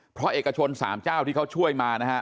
เพราะเอกชน๓เจ้าที่เขาช่วยมานะฮะ